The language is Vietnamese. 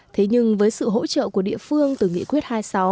thế nhưng với sự hỗ trợ của địa phương từ nghị quyết hai mươi sáu